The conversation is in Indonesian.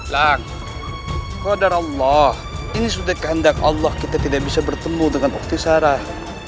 lang kata kata allah ini sudah kehendak allah kita tidak bisa bertemu dengan oktisarah